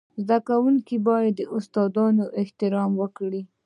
زده کوونکي باید د استادانو احترام وکړي.